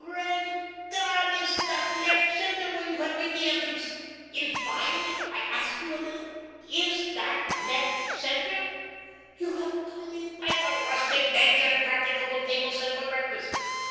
"Grand God! Is that left centre where you have made the entrance? In fine, I ask you a little is that left centre? You have come in by the rustic bench and practicable table set for breakfast.